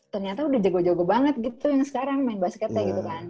ternyata udah jago jago banget gitu yang sekarang main basketnya gitu kan